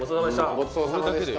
ごちそうさまでした。